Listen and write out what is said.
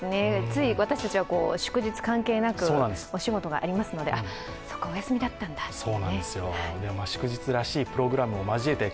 つい、私たちは祝日関係なくお仕事がありますので、そうか、お休みだったんだってね。